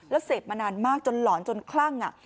แล้วเสพมานานมากจนหลอนจนคลั่ง